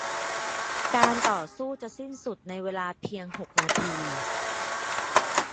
การต่อสู้จะสิ้นสุดในเวลาเพียงหกนาที